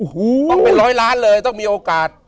ต้องเป็น๑๐๐ล้านเลยต้องมีโอกาส